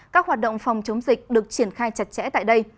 các hoạt động phòng chống dịch được triển khai chặt chẽ tại đây